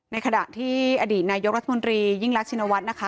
ในขณะที่อดีตนายกรัฐมนตรียิ่งรักชินวัฒน์นะคะ